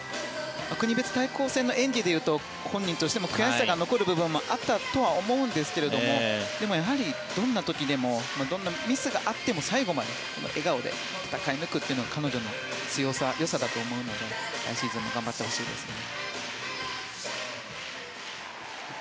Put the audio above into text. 国別対抗戦の演技でいうと本人としても悔しさが残る部分はあったと思いますがでも、やはりどんな時でもどんなミスがあっても最後まで笑顔で戦い抜くというのは彼女の強さ、よさだと思うので来シーズンも頑張ってほしいですね。